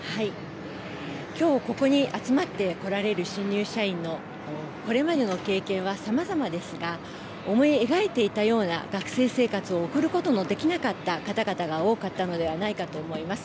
きょうここに集まってこられる新入社員の、これまでの経験はさまざまですが、思い描いていたような学生生活を送ることのできなかった方々が多かったのではないかと思います。